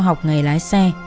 học ngày lái xe